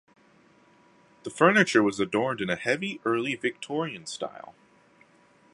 The furniture was adorned in a heavy Early Victorian style.